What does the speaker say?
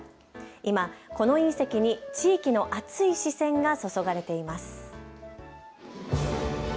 今、この隕石に地域の熱い視線が注がれています。